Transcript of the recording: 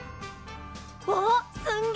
おっすんげえ！